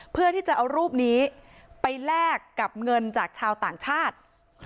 เพื่อที่จะเอารูปนี้ไปแลกกับเงินจากชาวต่างชาติ